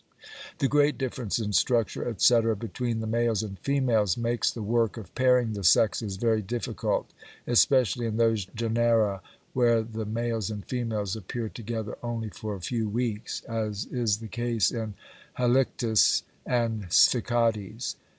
The great difference in structure, etc., between the males and females makes the work of pairing the sexes very difficult, especially in those genera where the males and females appear together only for a few weeks, as is the case in Halictus and Sphecodes.